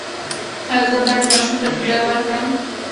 ایا زه باید ماشوم ته ډوډۍ ورکړم؟